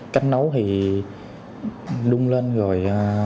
cách nấu thì đung lên rồi